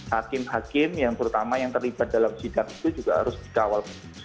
hakim hakim yang terlibat dalam sidang itu juga harus dikawal